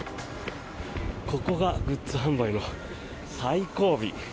ここがグッズ販売の最後尾。